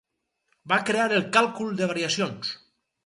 Va crear el càlcul de variacions.